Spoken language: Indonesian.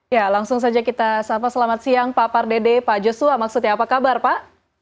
ya langsung saja kita sapa selamat siang pak pardede pak joshua maksudnya apa kabar pak